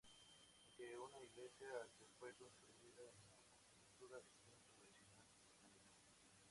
Aunque una iglesia, que fue construida en la arquitectura del templo tradicional vietnamita.